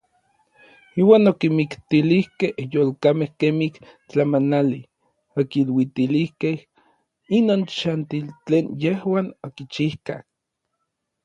Iuan okimiktilijkej yolkamej kemij tlamanali, okiluitilijkej inon xantil tlen yejuan okichijkaj.